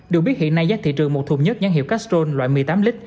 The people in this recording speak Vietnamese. được biết hiện nay giá thị trường một thùng nhất nhãn hiệu castrol loại một mươi tám lít